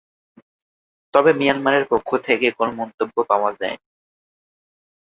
তবে মিয়ানমারের পক্ষ থেকে কোনো মন্তব্য পাওয়া যায়নি।